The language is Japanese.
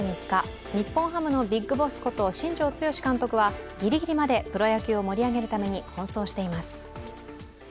日本ハムのビッグボスこと新庄剛志監督はギリギリまでプロ野球を盛り上げるために奔走しています。